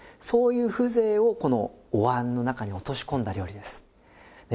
そういう風情をこのお椀の中に落とし込んだ料理です。